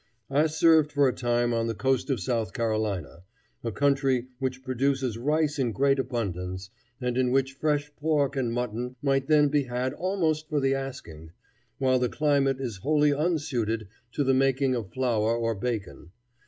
I served for a time on the coast of South Carolina, a country which produces rice in great abundance, and in which fresh pork and mutton might then be had almost for the asking, while the climate is wholly unsuited to the making of flour or bacon.